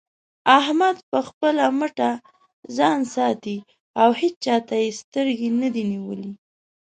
احمد په خپله مټه ځان ساتي او هيچا ته يې سترګې نه دې نيولې.